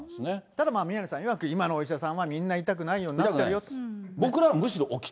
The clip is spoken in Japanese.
ただ宮根さん、いわく、今のお医者さんはみんな痛くないようになってるよと。